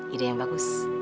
ide yang bagus